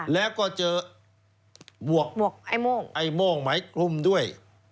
แล้วก็เจอบวกไอโม่งไหมคุ้มด้วย